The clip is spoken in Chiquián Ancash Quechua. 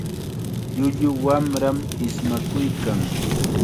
Llullu wamram ismakuykan.